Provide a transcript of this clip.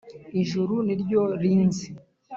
“ijuru ni ryo rinzi